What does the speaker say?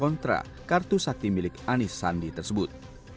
antara kartu sakti milik anis sandi tersebut